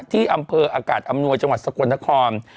ที่อำเภออากาศอำนวยจังหวัดสกลนคร